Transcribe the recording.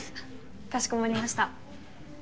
かしこまりました。